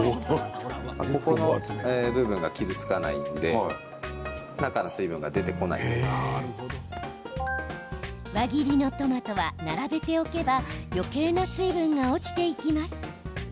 ここの部分が傷つかないので輪切りのトマトは並べておけばよけいな水分が落ちていきます。